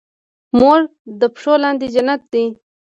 مور د پښو لاندې جنت لري